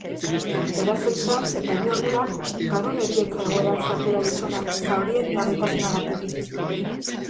Erasoa izan eta bi ordura garun-heriotza egoeran sartu da gizona, zaurien larritasunagatik.